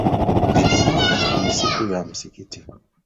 Ijumaa ni siku ya msikiti